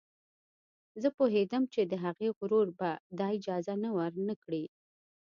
زه پوهېدم چې د هغې غرور به دا اجازه ور نه کړي